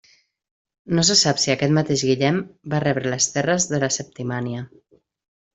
No se sap si aquest mateix Guillem va rebre les terres de la Septimània.